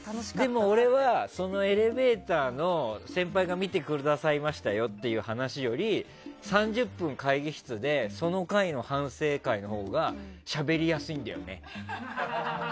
でも俺はそのエレベーターの先輩が見てくださいましたよっていう話より３０分、会議室でその回の反省会のほうがしゃべりやすいんだよね。